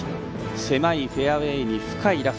狭いフェアウエーに深いラフ。